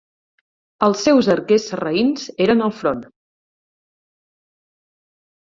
Els seus arquers sarraïns eren al front.